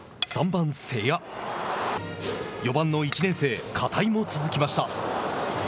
４番の１年生、片井も続きました。